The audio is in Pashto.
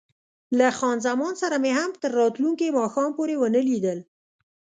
له خان زمان سره مې هم تر راتلونکي ماښام پورې ونه لیدل.